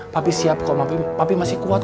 papi siap kok papi masih kuat ya